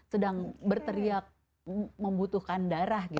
sedang berteriak membutuhkan darah